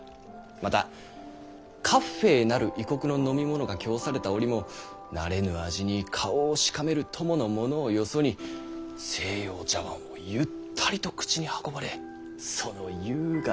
またカッフェなる異国の飲み物が供された折も慣れぬ味に顔をしかめる供の者をよそに西洋茶碗をゆったりと口に運ばれその優雅なこと。